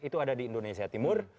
itu ada di indonesia timur